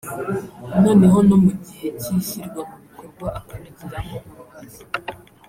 noneho no mu gihe cy’ishyirwa mu bikorwa akabigiramo uruhare